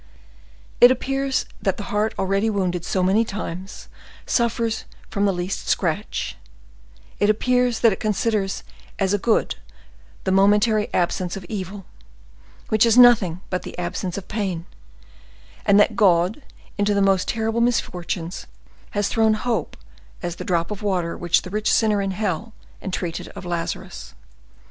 It appears that the heart already wounded so many times suffers from the least scratch; it appears that it considers as a good the momentary absence of evil, which is nothing but the absence of pain; and that God, into the most terrible misfortunes, has thrown hope as the drop of water which the rich sinner in hell entreated of Lazarus.